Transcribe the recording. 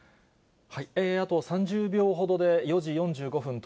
あと３０秒ほどで、４時４５分。